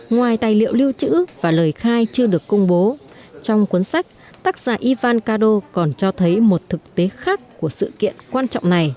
ngoài tài liệu lưu trữ và lời khai chưa được công bố trong cuốn sách tác giả ivan kado còn cho thấy một thực tế khác của sự kiện quan trọng này